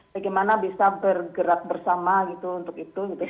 bagaimana bisa bergerak bersama gitu untuk itu